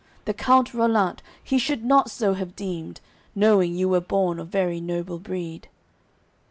The Count Rollant, he should not so have deemed, Knowing you were born of very noble breed."